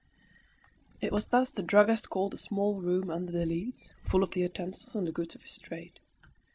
It was thus the druggist called a small room under the leads, full of the utensils and the goods of his trade.